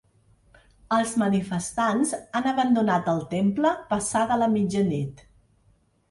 Els manifestants han abandonat el temple passada la mitjanit.